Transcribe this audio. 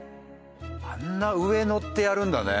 あんな上乗ってやるんだね。